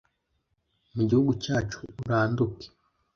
mu gihugu cyacu uranduke